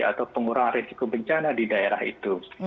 atau pengurangan risiko bencana di daerah itu